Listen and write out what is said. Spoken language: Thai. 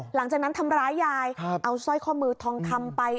หลังจากนั้นทำร้ายยายเอาสร้อยข้อมือทองคำไป